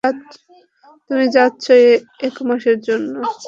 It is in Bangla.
তুমি যাচ্ছো এক মাসের জন্য।